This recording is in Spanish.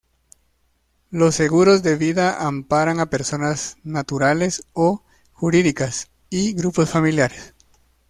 Los seguros de vida amparan a personas naturales o jurídicas, y grupos familiares.